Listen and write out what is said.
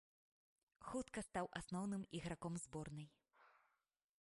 Хутка стаў асноўным іграком зборнай.